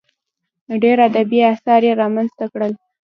ډېر ادبي اثار یې رامنځته کړل.